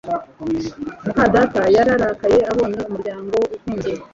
muka data yararakaye abonye umuryango ufunze